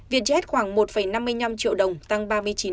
việt jet khoảng một năm mươi năm triệu đồng tăng ba mươi chín